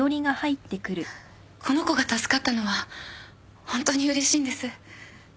この子が助かったのはホントにうれしいんです。